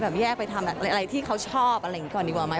แยกไปทำอะไรที่เขาชอบอะไรอย่างนี้ก่อนดีกว่าไหม